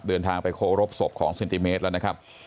เดินทางไปโครบศพของเซนติเมตรแล้วนะครับ